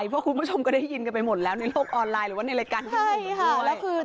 เพราะคุณผู้ชมก็สามารถได้ยินไปหมดแล้ว